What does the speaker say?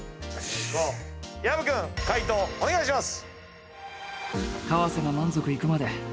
薮君解答お願いします。